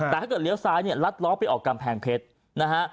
แต่ถ้าเลี้ยวซ้ายลัดล้อไปออกกำแพงเพชร